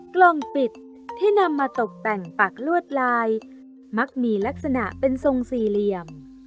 กล่องปิดที่นำมาตกแต่งปักลวดลายมักมีลักษณะเป็นทรงสี่เหลี่ยม